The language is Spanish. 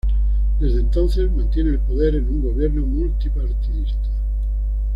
Desde entonces, mantiene el poder en un gobierno multipartidista.